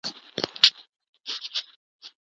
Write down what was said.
ډهلی مو تر ولکې لاندې وو.